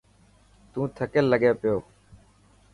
تون ٿڪيل لگي پيو.